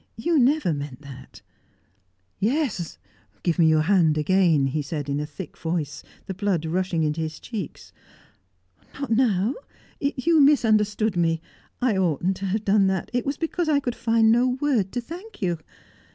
You never meant that." "Yes! Give me your hand again!" he said in a thick voice, the blood rushing into his cheeks. "Not now. You misunderstood me. I oughtn't to have done that. It was because I could find no word to thank you."